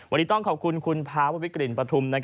วันนี้ต้องขอบคุณคุณพาวิกริณประทุม